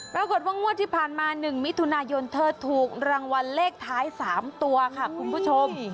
ปรากฏว่างวดที่ผ่านมา๑มิถุนายนเธอถูกรางวัลเลขท้าย๓ตัวค่ะคุณผู้ชม